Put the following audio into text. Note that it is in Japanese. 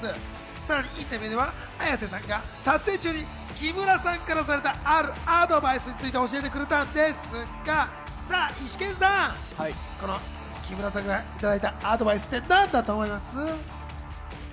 さらにインタビューでは撮影中、綾瀬さんが木村さんからされた、あるアドバイスについて教えてくれたんですが、イシケンさん、木村さんからされたアドバイスって何だと思います？